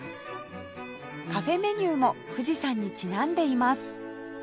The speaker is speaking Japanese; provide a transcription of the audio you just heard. カフェメニューも富士山にちなんでいます